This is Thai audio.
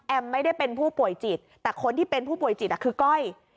ไม่ได้เป็นผู้ป่วยจิตแต่คนที่เป็นผู้ป่วยจิตคือก้อย